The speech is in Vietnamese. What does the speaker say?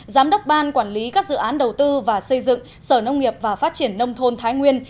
giám đốc ban quản lý các dự án đầu tư và xây dựng sở nông nghiệp và phát triển nông thôn thái nguyên